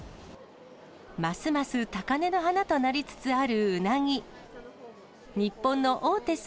ますます高根の花となりつつあるうなぎ。